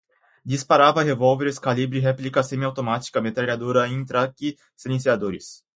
disparava, revólveres, calibre, réplicas, semi-automática, metralhadora, intratec, silenciadores